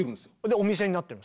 お店になってます。